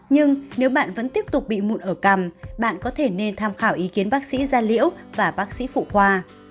nhưng nếu bạn vẫn tiếp tục bị mụn ở cằm bạn có thể nên tham khảo ý kiến bác sĩ gia liễu và bác sĩ phụ khoa